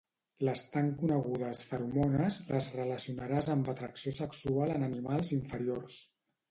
Les tan conegudes feromones les relacionaràs amb atracció sexual en animals inferiors